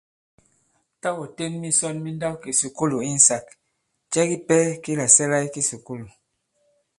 Tâ ɔ̀ ten misɔn mi nndawkìsùkulù insāk, cɛ kipɛ ki làsɛ̀la i kisùkulù ?